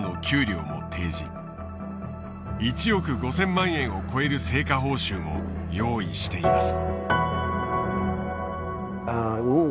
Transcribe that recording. １億５，０００万円を超える成果報酬も用意しています。